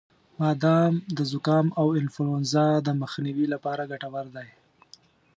• بادام د زکام او انفلونزا د مخنیوي لپاره ګټور دی.